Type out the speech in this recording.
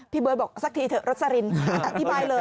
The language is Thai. เบิร์ตบอกสักทีเถอะรสลินอธิบายเลย